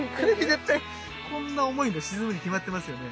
絶対こんな重いんで沈むに決まってますよね。